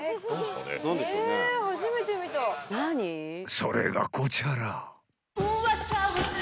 ［それがこちら］